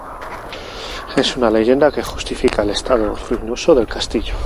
Es una leyenda que justifica el estado ruinoso del castillo.